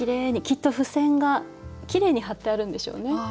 きっと付箋がきれいに貼ってあるんでしょうね。